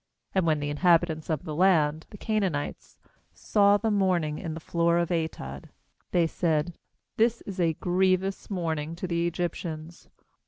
uAnd when the inhabitants of the land, the Canaanites, saw the mourning in the floor of Atad, they said: 'This is a grievous amourning to the Egyptians.'